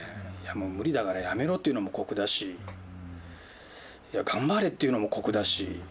もう無理だからやめろというのも酷だし、頑張れって言うのも酷だし。